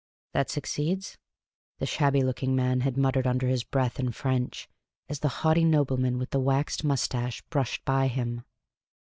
"That succeeds?" the shabb)'^ looking man had muttered under his breath in French, as the haughty nobleman with the waxed moustache brushed by him.